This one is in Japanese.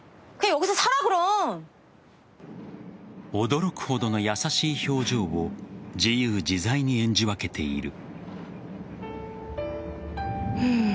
驚くほどの優しい表情を自由自在に演じ分けている。